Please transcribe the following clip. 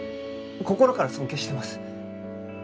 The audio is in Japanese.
心から尊敬してます。